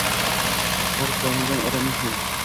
Har komiron odamning ham